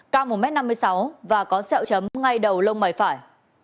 cao một m năm mươi sáu và có sẹo chấm ngay đầu lông mày phải